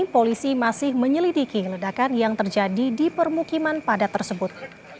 polisi masih menyelidiki ledakan yang terjadi di permukiman padat tersebut